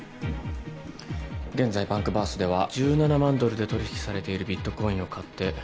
現在バンクバースでは１７万ドルで取り引きされているビットコインを買って。